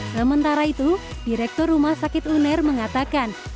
sementara itu direktur rumah sakit uner mengatakan